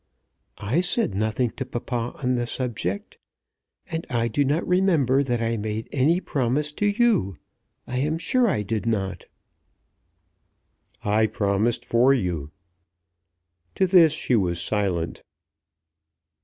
"I said nothing to papa on the subject, and I do not remember that I made any promise to you. I am sure I did not." "I promised for you." To this she was silent.